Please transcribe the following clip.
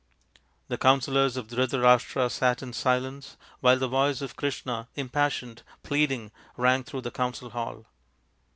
The counsellors of Dhrita rashtra sat in silence, while the voice of Krishna, impassioned, pleading, rang through the council hall.